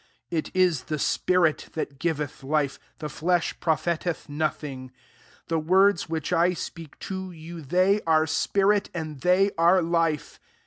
6S It is the spirit ths^ g^eth life ; the fiesli profiteth nothing : the words which I speak to you, they are spirit, and they are life.